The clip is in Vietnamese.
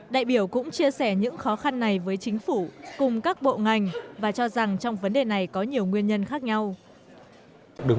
đại biểu cũng chia sẻ những khó khăn này với chính phủ cùng các bộ ngành và cho rằng trong vấn đề này có nhiều nguyên nhân khác nhau